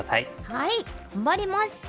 はい頑張ります！